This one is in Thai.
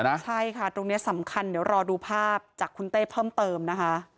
ใช่ค่ะตรงนี้สำคัญเดี๋ยวรอดูภาพจากคุณเต้เพิ่มเติมนะคะ